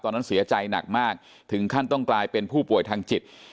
ตอนนั้นเสียใจหนักมากถึงขั้นต้องกลายเป็นผู้ป่วยทางจิต